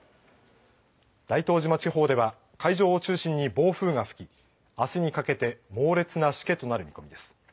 大東島地方では海上を中心に暴風が吹き、あすにかけて猛烈なしけとなる見込みです。